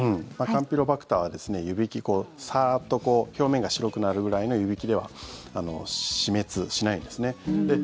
カンピロバクターは湯引きさーっと表面が白くなるくらいの湯引きでは死滅しないんですね。